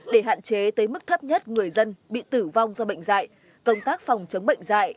để hạn chế tới mức thấp nhất người dân bị tử vong do bệnh dạy công tác phòng chống bệnh dạy